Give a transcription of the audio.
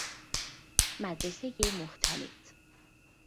مدرسهُ مختلط